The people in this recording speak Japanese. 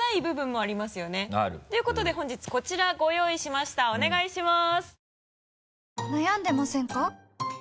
ということで本日こちらご用意しましたお願いします。